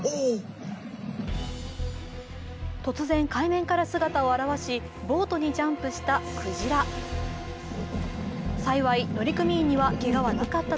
突然、海面から姿を現しボートにジャンプした鯨。